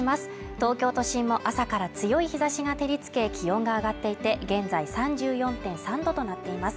東京都心も朝から強い日差しが照りつけ気温が上がっていて現在３４．３度となっています